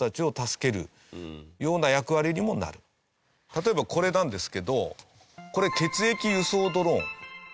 例えばこれなんですけどこれ血液輸送ドローン。